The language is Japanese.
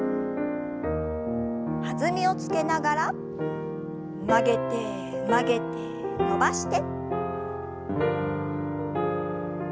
弾みをつけながら曲げて曲げて伸ばして。